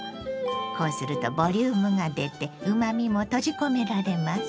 こうするとボリュームが出てうまみも閉じ込められます。